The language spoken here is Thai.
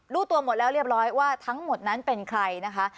รู้ตัวหมดแล้วเรียบร้อยว่าทั้งหมดนั้นเป็นใครนะคะ